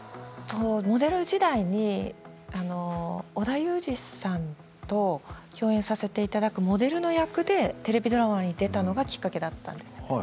モデル時代に織田裕二さんと共演させていただくモデルの役でテレビドラマに出たのがきっかけだったんです。